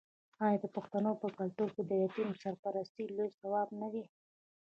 آیا د پښتنو په کلتور کې د یتیم سرپرستي لوی ثواب نه دی؟